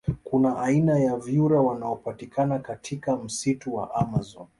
Kuna aina ya vyura wanaopatikana katika msitu wa amazon